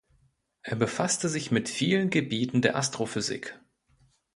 Er befasste sich mit vielen Gebieten der Astrophysik.